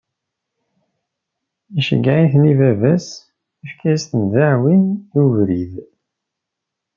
Iceggeɛ-iten i baba-s, ifka-as-ten d aɛwin i ubrid.